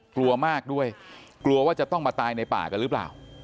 กลัวมากด้วยกลัวว่าจะต้องมาตายในป่ากันหรือเปล่า